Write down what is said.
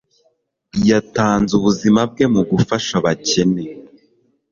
yatanze ubuzima bwe mu gufasha abakene